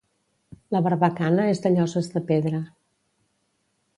La barbacana és de lloses de pedra.